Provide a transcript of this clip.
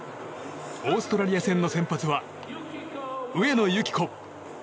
オーストラリア戦の先発は上野由岐子。